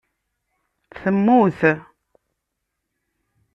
Temmut.